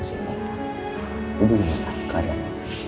itu dulu ya pak